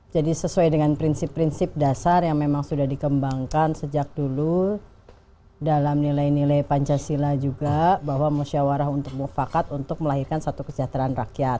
jadi sesuai dengan prinsip prinsip dasar yang memang sudah dikembangkan sejak dulu dalam nilai nilai pancasila juga bahwa musyawarah untuk mufakat untuk melahirkan satu kesejahteraan rakyat